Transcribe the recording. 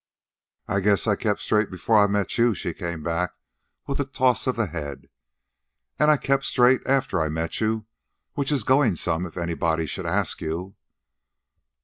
"I guess I kept straight before I met you," she came back with a toss of the head. "And I kept straight after I met you, which is going some if anybody should ask you."